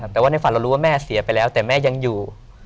แต่ว่าในฝันเรารู้ว่าแม่เสียไปแล้วแต่แม่ยังอยู่